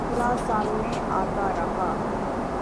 کوئی نہ کوئی مسئلہ سامنے آتا رہا۔